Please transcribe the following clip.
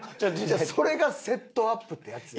それがセットアップってやつや。